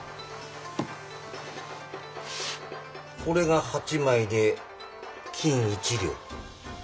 これが８枚で金１両？